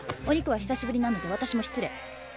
お肉は久しぶりなのでわたしも失礼。